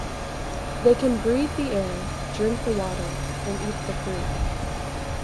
They can breathe the air, drink the water and eat the fruit.